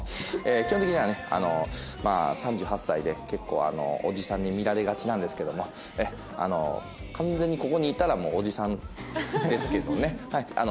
基本的にはね３８歳で結構おじさんに見られがちなんですけども完全にここにいたらもうおじさんですけどね。